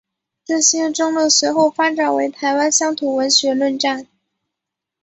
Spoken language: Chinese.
这些争论随后发展为台湾乡土文学论战。